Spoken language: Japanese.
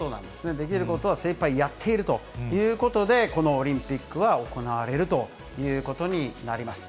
できることは精いっぱいやっているということで、このオリンピックは行われるということになります。